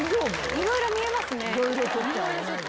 いろいろ見えますね。